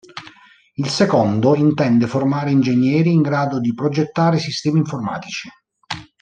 Il secondo intende formare ingegneri in grado di progettare sistemi informatici.